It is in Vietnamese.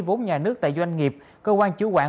vốn nhà nước tại doanh nghiệp cơ quan chủ quản